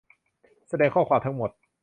แสดงข้อความทั้งหมด